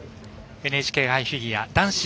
ＮＨＫ杯フィギュア男子